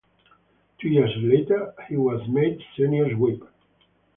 Two years later, he was made senior Whip.